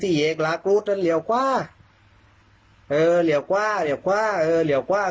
สี่เอยกลากูต้องเหลี่ยวคว้าเออเราข้างหลักที่กว่า